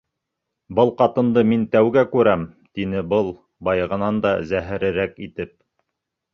Был ҡатынды мин тәүгә күрәм. — тине был баяғынан да зәһәрерәк итеп.